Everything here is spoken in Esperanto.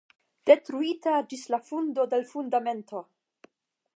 Detruita ĝis la fundo de l' fundamento.